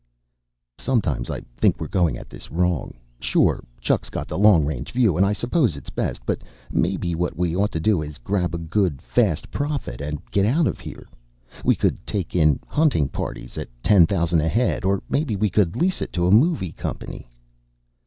"Sometimes I think we're going at this wrong. Sure, Chuck's got the long range view and I suppose it's best. But maybe what we ought to do is grab a good, fast profit and get out of here. We could take in hunting parties at ten thousand a head or maybe we could lease it to a movie company."